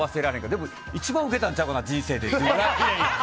でも、一番ウケたんちゃうかな人生で。